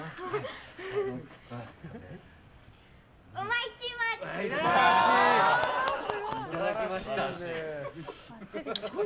いただきました。